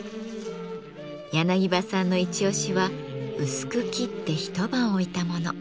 柳葉さんのイチ押しは薄く切って一晩置いたもの。